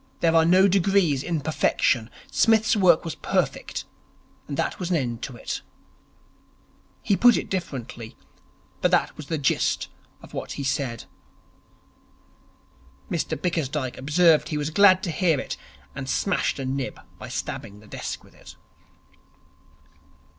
There are no degrees in perfection. Psmith's work was perfect, and there was an end to it. He put it differently, but that was the gist of what he said. Mr Bickersdyke observed he was glad to hear it, and smashed a nib by stabbing the desk with it.